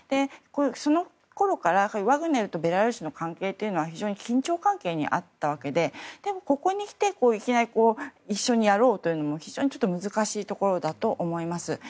そのころからワグネルとベラルーシの関係は非常に緊張関係にあったわけででも、ここにきていきなり一緒にやろうというのも非常に難しいところだと思います。